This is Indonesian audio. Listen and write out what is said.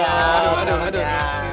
aduh aduh aduh